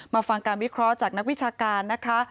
ฟังการวิเคราะห์จากนักวิชาการนะคะ